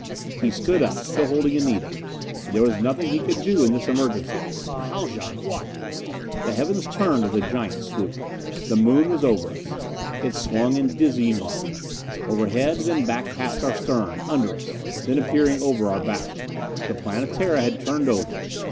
He stood up, still holding Anita. But there was nothing that he could do in this emergency. "Haljan what " The heavens turned with a giant swoop. The Moon was over us. It swung in dizzying arc. Overhead, then back past our stern; under us, then appearing over our bow. The Planetara had turned over.